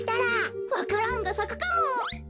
わか蘭がさくかも！